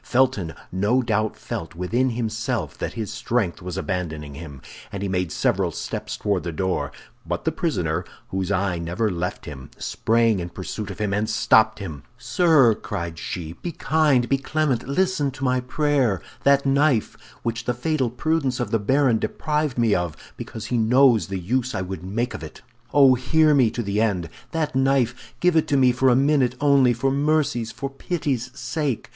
Felton no doubt felt within himself that his strength was abandoning him, and he made several steps toward the door; but the prisoner, whose eye never left him, sprang in pursuit of him and stopped him. "Sir," cried she, "be kind, be clement, listen to my prayer! That knife, which the fatal prudence of the baron deprived me of, because he knows the use I would make of it! Oh, hear me to the end! that knife, give it to me for a minute only, for mercy's, for pity's sake!